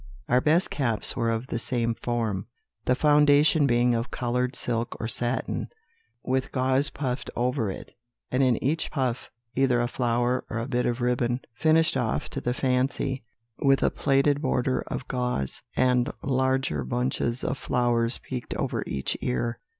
Our best caps were of the same form: the foundation being of coloured silk or satin, with gauze puffed over it, and in each puff either a flower or a bit of ribbon, finished off to the fancy, with a plaited border of gauze, and larger bunches of flowers peaked over each ear."